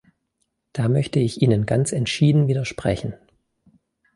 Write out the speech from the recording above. Da möchte ich Ihnen ganz entschieden widersprechen.